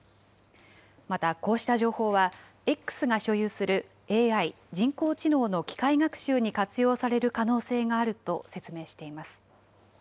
また、こうした情報は、Ｘが所有するＡＩ・人工知能の機械学習に活用される可能性があると説明しています。